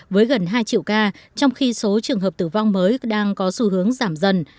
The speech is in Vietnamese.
với gần hai triệu ca trong khi số trường hợp tử vong mới đang có xu hướng giảm dần